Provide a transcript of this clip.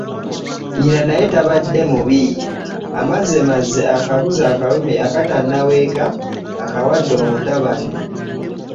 Nnyina naye taba mubi amazemaze akabuzi akalume akatannaweeka akawadde omutabani.